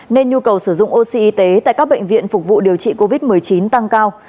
nên nhu cầu sử dụng oxy y tế tại các bệnh viện phục vụ điều trị covid một mươi chín tăng cao